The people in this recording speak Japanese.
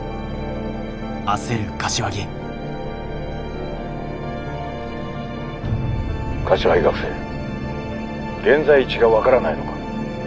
柏木学生現在地が分からないのか？